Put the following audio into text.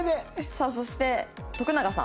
さあそして徳永さん。